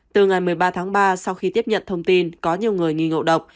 từ ngày một mươi ba tháng ba sau khi tiếp nhận thông tin có nhiều người nghi ngộ độc